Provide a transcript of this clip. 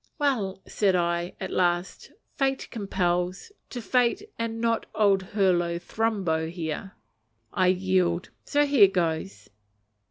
"Well," said I, at last, "Fate compels: to fate, and not old Hurlo thrumbo there, I yield so here goes."